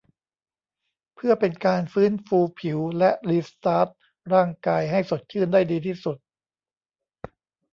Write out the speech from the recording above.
เพื่อเป็นการฟื้นฟูผิวและรีสตาร์ตร่างกายให้สดชื่นได้ดีที่สุด